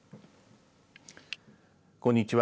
こんにちは。